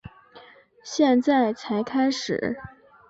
现在才开始